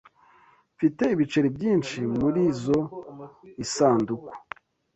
Mfite ibiceri byinshi murizoi sanduku.